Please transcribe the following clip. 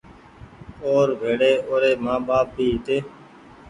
اور ڀيڙي اوري مآن ٻآپ بي هيتي